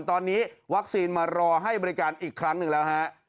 ตอนนี้วัคซีนมารอให้บริการอีกครั้งหนึ่งแล้วฮะ